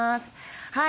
はい。